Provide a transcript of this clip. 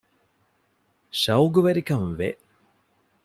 ޝައުޤުވެރިކަން ވެ